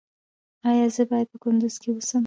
ایا زه باید په کندز کې اوسم؟